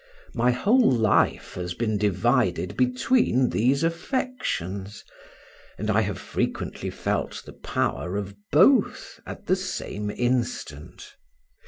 My whole life has been divided between these affections, and I have frequently felt the power of both at the same instant.